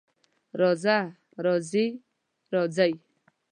راځه، راځې، راځئ